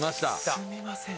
すみません